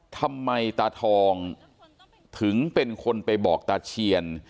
ทำไมตาทองถึงเป็นคนไปบอกตาเชียน